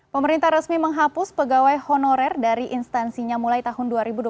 pemerintah resmi menghapus pegawai honorer dari instansinya mulai tahun dua ribu dua puluh